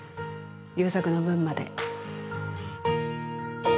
優作の分まで。